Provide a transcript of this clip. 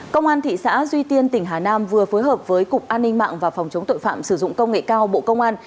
công an thị xã duy tiên tỉnh hà nam vừa phối hợp với cục an ninh mạng và phòng chống tội phạm sử dụng công nghệ cao bộ công an